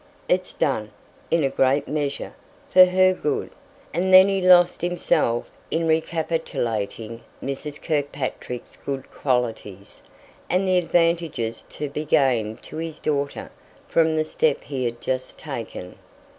It's done, in a great measure, for her good." And then he lost himself in recapitulating Mrs. Kirkpatrick's good qualities, and the advantages to be gained to his daughter from the step he had just taken.